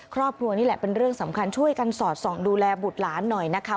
ครอบครัวนี่แหละเป็นเรื่องสำคัญช่วยกันสอดส่องดูแลบุตรหลานหน่อยนะคะ